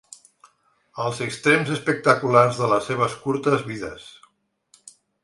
Els extrems espectaculars de les seves curtes vides.